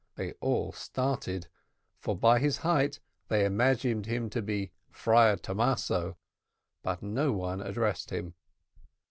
They all started, for by his height they imagined him to be the Friar Thomaso, but no one addressed him.